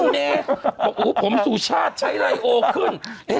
บอกผมสูชาติใช้ไร้โอขึ้น